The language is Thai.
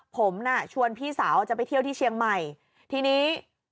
ผมน่ะชวนพี่สาวจะไปเที่ยวที่เชียงใหม่ทีนี้